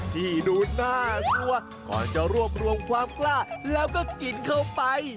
ที่ดูน่ากลัวก่อนจะรวบรวมความกล้าแล้วก็กินเข้าไป